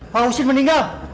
pak husein meninggal